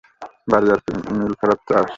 বাড়ি আর মিল ফেরত চাস?